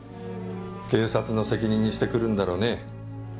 警察の責任にしてくるんだろうね。